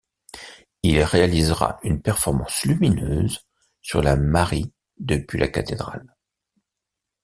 Il réalisera une performance lumineuse sur la marie depuis la cathédrale.